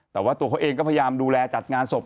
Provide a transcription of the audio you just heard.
แต่ว่าตัวเขาเองก็พยายามดูแลจัดงานศพ